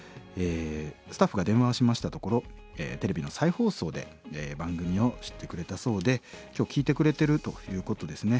スタッフが電話をしましたところテレビの再放送で番組を知ってくれたそうで今日聴いてくれてるということですね。